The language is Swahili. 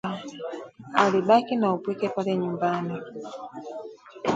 Alibaki na upweke pale nyumbani